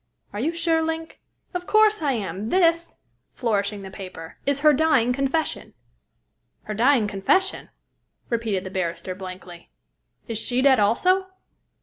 "Are you sure, Link?" "Of course I am. This," flourishing the paper, "is her dying confession." "Her dying confession?" repeated the barrister blankly. "Is she dead, also?"